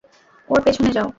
ওর পেছনে যাও।